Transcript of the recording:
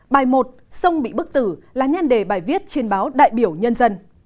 bài một sông bị bức tử là nhan đề bài viết trên báo đại biểu nhân dân